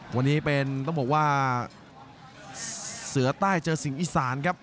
วันนี้เป็นต้องบอกว่าเสือใต้เจอสิงห์อีสานครับ